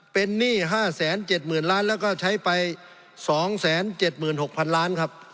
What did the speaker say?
เป็นหนี้ห้าแสนเจ็ดหมื่นล้านแล้วก็ใช้ไปสองแสนเจ็ดหมื่นหกพันล้านครับ